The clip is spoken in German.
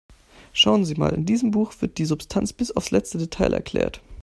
Schauen Sie mal, in diesem Buch wird die Substanz bis aufs letzte Detail erklärt.